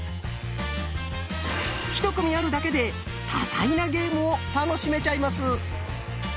１組あるだけで多彩なゲームを楽しめちゃいます。